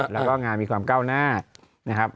และงานมีความก้าวหน้า